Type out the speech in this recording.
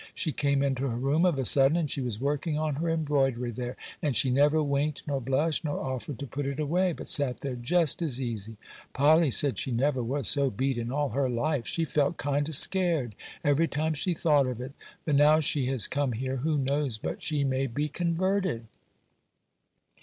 She came into her room of a sudden, and she was working on her embroidery there, and she never winked, nor blushed, nor offered to put it away, but sat there just as easy! Polly said she never was so beat in all her life; she felt kind o' scared every time she thought of it. But now she has come here, who knows but she may be converted?